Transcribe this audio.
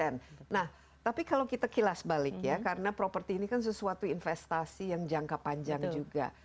nah tapi kalau kita kilas balik ya karena properti ini kan sesuatu investasi yang jangka panjang juga